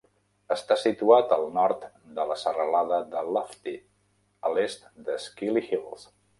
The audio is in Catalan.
Està situat al nord de la serralada de Lofty, a l'est de Skilly Hills.